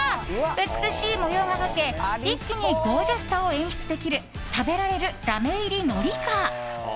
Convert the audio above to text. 美しい模様が描け一気にゴージャスさを演出できる食べられるラメ入りのりか。